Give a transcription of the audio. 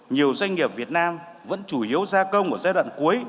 nhiều doanh nghiệp việt nam vẫn chủ yếu gia công ở giai đoạn cuối